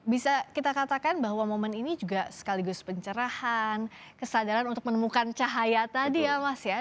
bisa kita katakan bahwa momen ini juga sekaligus pencerahan kesadaran untuk menemukan cahaya tadi ya mas ya